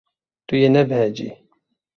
Tu yê nebehecî.